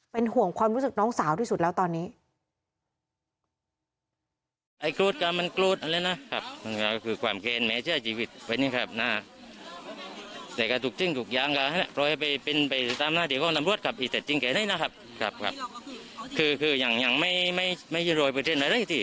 เป็นห่วงความรู้สึกน้องสาวที่สุดแล้วตอนนี้